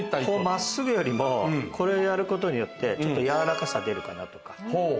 真っすぐよりもこれをやることによってちょっと柔らかさ出るかなとか。